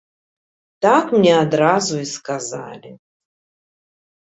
Так мне адразу і сказалі.